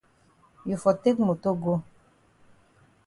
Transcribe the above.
You for take moto go.